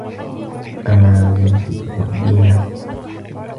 أمازلتِ تُحبّينه؟